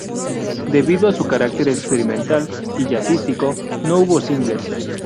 Debido a su carácter experimental y jazzístico, no hubo singles.